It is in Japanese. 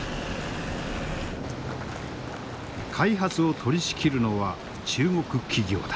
開発を取りしきるのは中国企業だ。